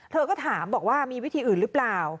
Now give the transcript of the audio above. เธอก็ถามบอกว่ามีวิธีอื่นหรือเปล่า